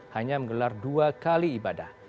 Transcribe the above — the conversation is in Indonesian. hanya menggelar dua kali ibadah